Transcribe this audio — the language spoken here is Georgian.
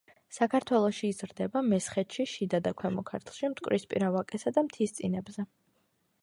საქართველოში იზრდება მესხეთში, შიდა და ქვემო ქართლში მტკვრისპირა ვაკესა და მთისწინებზე.